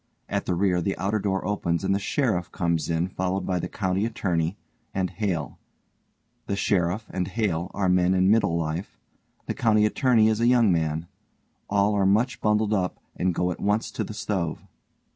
At the rear the outer door opens and the_ SHERIFF comes in followed by the COUNTY ATTORNEY and HALE. The SHERIFF and HALE are men in middle life, the COUNTY ATTORNEY _is a young man; all are much bundled up and go at once to the stove.